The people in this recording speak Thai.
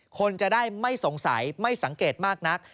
คนจะได้ไม่สงสัยไม่สังเกตมากนัก